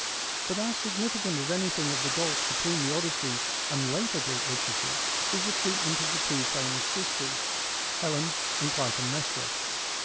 But as significant as anything of the gulf between the Odyssey and later Greek literature is the treat ment of the two famous sisters, Helen and Clytemnestra.